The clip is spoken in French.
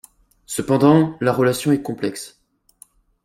Cependant, la relation est complexe.